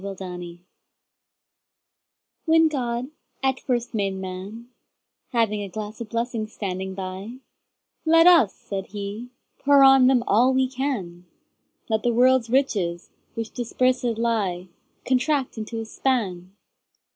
The Pulley WHEN God at first made Man, Having a glass of blessings standing by—Let us (said He) pour on him all we can; Let the world's riches, which dispersèd lie, Contract into a span.